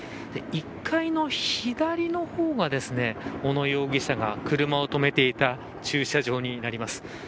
１階の左の方がですね小野容疑者が車を止めていた駐車場になります。